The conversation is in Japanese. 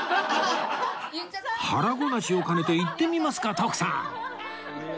腹ごなしを兼ねて行ってみますか徳さん！